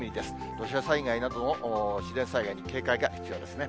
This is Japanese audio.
土砂災害などの自然災害に警戒が必要ですね。